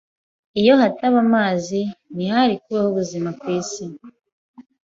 Iyo hataba amazi, ntihari kubaho ubuzima kwisi.